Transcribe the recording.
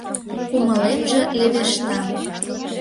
Кумылемже левешта.